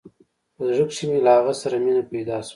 په زړه کښې مې له هغه سره مينه پيدا سوه.